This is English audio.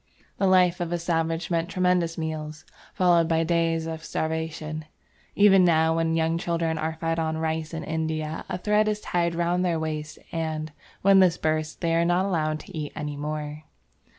The life of a savage meant tremendous meals, followed by days of starvation; even now, when young children are fed on rice in India, a thread is tied round their waist, and, when this bursts, they are not allowed to eat any more.